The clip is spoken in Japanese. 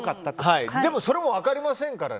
でもそれも分かりませんから。